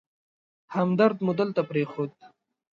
همدرد مو دلته پرېښود.